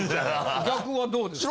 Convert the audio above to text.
逆はどうですか？